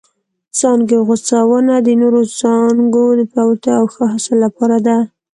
څانګې غوڅونه د نورو څانګو د پیاوړتیا او ښه حاصل لپاره ده.